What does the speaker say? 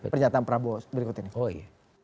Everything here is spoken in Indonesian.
pernyataan prabowo berikut ini